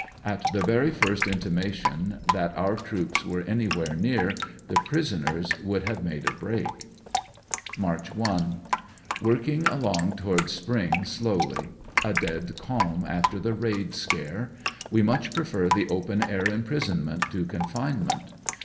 At the very first intimation that our troops were anywhere near, the prisoners would have made a break. March 1. — Working along towards Spring slowly. A dead calm after the raid scare. We much prefer the open air imprisonment to confinement.